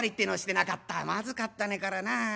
まずかったねこらなああ。